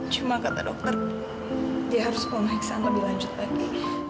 cuma kata dokter dia harus pemeriksaan lebih lanjut lagi